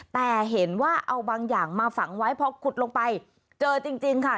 แต่เห็นว่าเอาบางอย่างมาฝังไว้พอขุดลงไปเจอจริงค่ะ